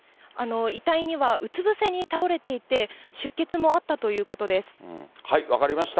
遺体には、うつ伏せに倒れていて、分かりました。